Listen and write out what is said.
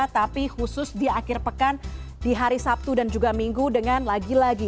tapi khusus di akhir pekan di hari sabtu dan juga minggu dengan lagi lagi